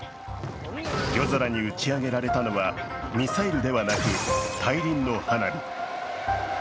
夜空に打ち上げられたのはミサイルではなく大輪の花火。